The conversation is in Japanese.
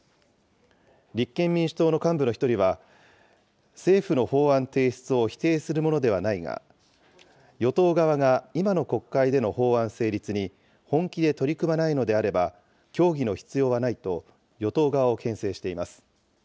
立憲民主党の幹部の一人は、政府の法案提出を否定するものではないが、与党側が今の国会での法案成立に本気で取り組まないのであれば、協議の必要はないと与党側をけん制しています。